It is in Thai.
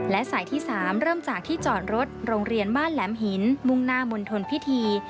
และสายที่๓เริ่มจากที่จอดรถโรงเรียนบ้านแหลมหินมุ่งหน้ามณฑลพิธี